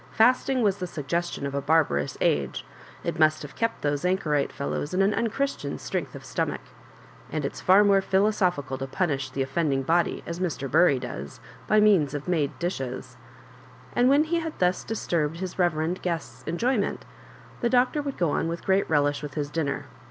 Fasting was the suggestion of a barbarous age ; it must have kept those anchorite fellows in an unchris lian strength of stomach. And it's far more phi losophkMil to punish the offending body, as Mr. Bury does, by means of made dishes;" and when he had thus disturbed his reverend guest's enjoyment, the Doctor would go on with great relish with his dinner.